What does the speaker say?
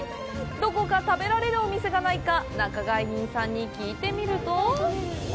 どこか食べられるお店がないか、仲買人さんに聞いてみると。